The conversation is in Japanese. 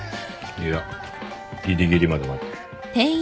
いやギリギリまで待て。